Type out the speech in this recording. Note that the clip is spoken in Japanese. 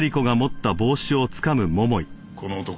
この男